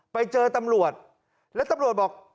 ไปเจอตำรวจแล้วตำรวจบอก